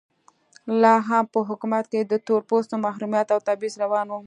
لا هم په حکومت کې د تور پوستو محرومیت او تبعیض روان و.